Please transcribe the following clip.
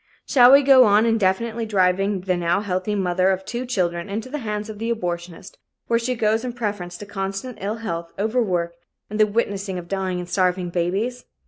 Shall we go on indefinitely driving the now healthy mother of two children into the hands of the abortionist, where she goes in preference to constant ill health, overwork and the witnessing of dying and starving babies?